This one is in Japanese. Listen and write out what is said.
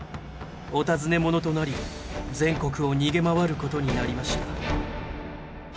お尋ね者となり全国を逃げ回る事になりました。